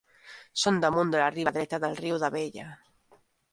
Són damunt de la riba dreta del riu d'Abella.